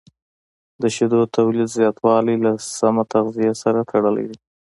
د شیدو تولید زیاتوالی له سمه تغذیې سره تړلی دی.